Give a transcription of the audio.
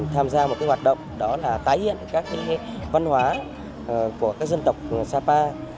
tham gia một hoạt động đó là tái hiện các văn hóa của các dân tộc sapa